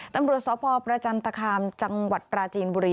ตำรวจสพประจันตคามจังหวัดปราจีนบุรี